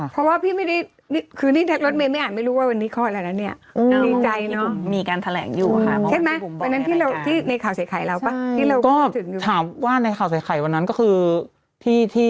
เพราะว่านี่แท็กรถแม่ไม่รู้ว่าวันนี้ข้อแล้วแล้วเนี่ย